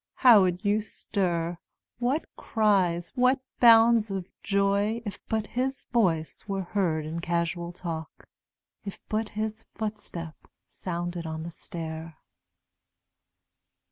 How would you stir, what cries, what bounds of joy, If but his voice were heard in casual talk, If but his footstep sounded on the stair